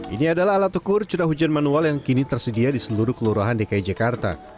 ini adalah alat ukur curah hujan manual yang kini tersedia di seluruh kelurahan dki jakarta